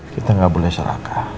kita gak boleh serakah